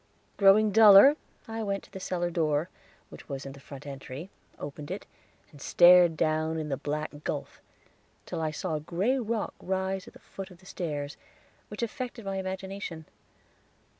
Growing duller, I went to the cellar door, which was in the front entry, opened it, and stared down in the black gulf, till I saw a gray rock rise at the foot of the stairs which affected my imagination.